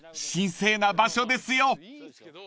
神聖な場所ですよ］